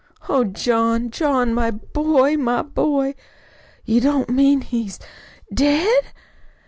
"Oh, John, John, my boy, my boy!" "You don't mean he's dead?"